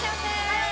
はい！